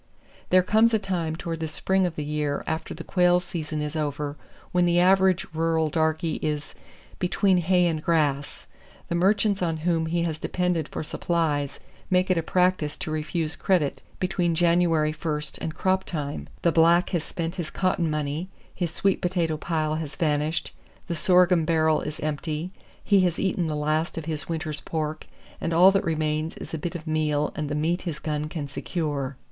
There comes a time toward the spring of the year after the quail season is over when the average rural darky is "between hay and grass." The merchants on whom he has depended for supplies make it a practice to refuse credit between January first and crop time. The black has spent his cotton money, his sweet potato pile has vanished, the sorghum barrel is empty, he has eaten the last of his winter's pork, and all that remains is a bit of meal and the meat his gun can secure.